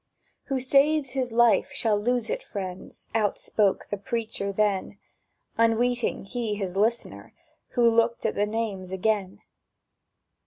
—"Who saves his life shall lose it, friends!" Outspake the preacher then, Unweeting he his listener, who Looked at the names again.